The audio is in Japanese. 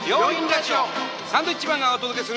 サンドウィッチマンがお届けする。